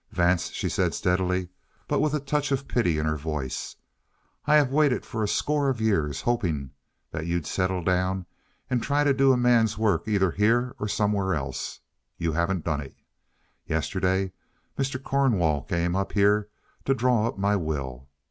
"Vance," she said steadily, but with a touch of pity in her voice, "I have waited for a score of years, hoping that you'd settle down and try to do a man's work either here or somewhere else. You haven't done it. Yesterday Mr. Cornwall came here to draw up my will.